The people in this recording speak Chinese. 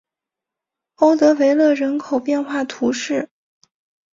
欧德维勒人口变化图示